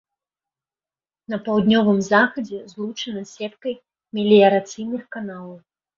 На паўднёвым захадзе злучана з сеткай меліярацыйных каналаў.